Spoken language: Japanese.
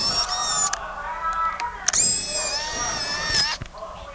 多分、乳ある人はいいと思うんですよ。